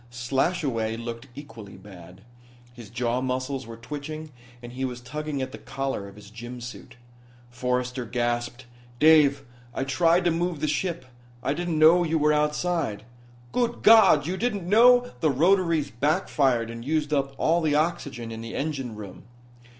Slashaway looked equally bad. His jaw muscles were twitching and he was tugging at the collar of his gym suit. Forrester gasped: "Dave, I tried to move the ship. I didn't know you were outside." "Good God, you didn't know " "The rotaries backfired and used up all the oxygen in the engine room.